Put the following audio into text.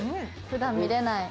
普段見れない。